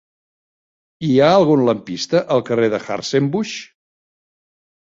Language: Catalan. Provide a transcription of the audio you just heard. Hi ha algun lampista al carrer de Hartzenbusch?